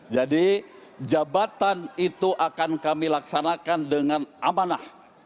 jadi jabatan itu akan kami laksanakan dengan amanah